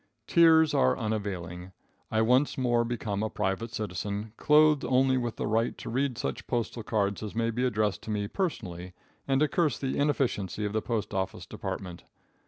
Tears are unavailing. I once more become a private citizen, clothed only with the right to read such postal cards as may be addressed to me personally, and to curse the inefficiency of the postoffice department.